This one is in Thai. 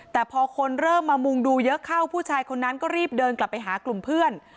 แต่พอคนเริ่มมามุงดูเยอะเข้าผู้ชายคนนั้นก็รีบเดินกลับไปหากลุ่มเพื่อน